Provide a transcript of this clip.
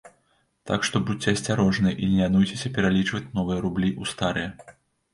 Так што будзьце асцярожныя і не лянуйцеся пералічваць новыя рублі ў старыя.